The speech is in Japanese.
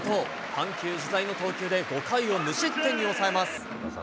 緩急自在の投球で、５回を無失点に抑えます。